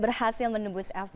berhasil menebus f satu